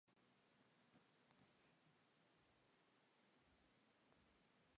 Más tarde se nombró por Bóreas, un dios de la mitología griega.